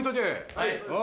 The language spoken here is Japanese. はい。